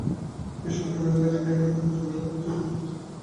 কৃষককে বেঁধে রেখে একই রাতে চোরেরা পাঁচটি গরু চুরি করে নিয়ে গেছে।